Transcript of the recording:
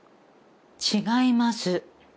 違います。